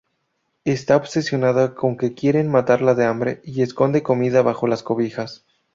Está obsesionada con que quieren matarla de hambre y esconde comida bajo las cobijas.